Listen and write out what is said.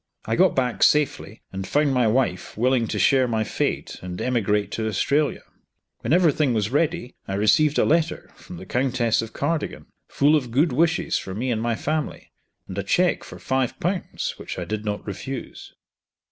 I got back safely, and found my wife willing to share my fate and to emigrate to Australia. When every thing was ready I received a letter from the Countess of Cardigan, full of good wishes for me and my family, and a cheque for Ł5 which I did not refuse.